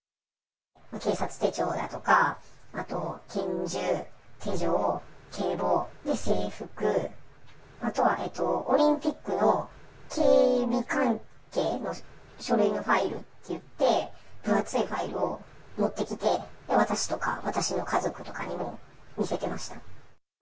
警察手帳だとか、あと拳銃、手錠、警棒、で、制服、あとはオリンピックの警備関係の書類のファイルって言って、分厚いファイルを持ってきて、私とか、私の家族とかにも見せてました。